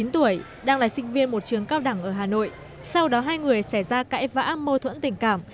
chín tuổi đang là sinh viên một trường cao đẳng ở hà nội sau đó hai người xảy ra cãi vã mô thuẫn tình cảm